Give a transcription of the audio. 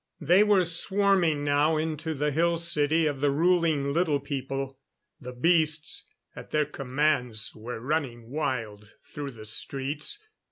They were swarming now into the Hill City of the ruling Little People. The beasts, at their commands, were running wild through the streets